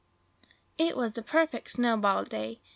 IT was a perfect snowball day!